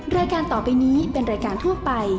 รายการต่อไปนี้เป็นรายการทั่วไป